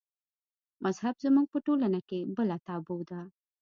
مذهب زموږ په ټولنه کې بله تابو ده.